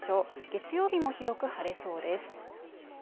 月曜日も広く晴れそうです